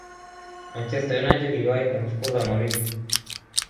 manchester united iliwahi kumfukuza mourinho